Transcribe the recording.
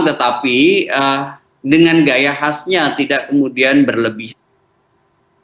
tetapi dengan gaya khasnya tidak kemudian berlebihan